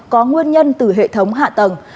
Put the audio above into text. có nguyên nhân từ hệ thống hạ tầng